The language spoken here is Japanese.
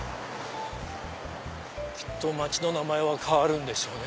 きっと町の名前は変わるんでしょうね